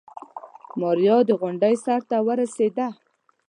ماريا د غونډۍ سر ته ورسېده.